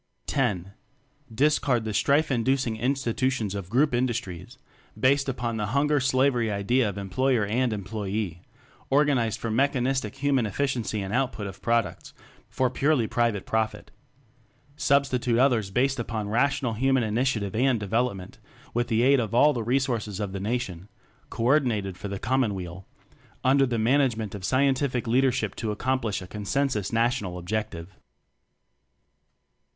(X) Discard the strife inducing in stitutions of erroup industries based upon the hunger slavery idea of em ployer and employee organized for mechanistic human efficiency in output of products for purely private profit; TECHNOCRACY 35 Substitute others based upon ra tional human initiative and develop ment with the aid of all the resources of the Nation, co ordinated for the commonweal under the management of Scientific Leadership to accomplish a. consensus National Objective.